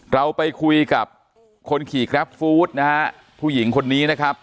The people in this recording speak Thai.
เราไปคุยกับคนขี่กราฟฟู้ดนะฮะผู้หญิงคนนี้นะครับ